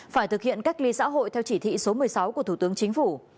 phải thực hiện cách ly xã hội theo chỉ thị số một mươi sáu của thủ tướng chính phủ